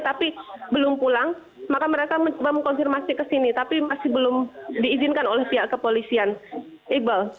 tapi belum pulang maka mereka mencoba mengkonfirmasi ke sini tapi masih belum diizinkan oleh pihak kepolisian iqbal